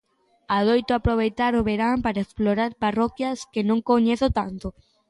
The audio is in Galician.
Adoito aproveitar o verán para explorar parroquias que non coñezo tanto.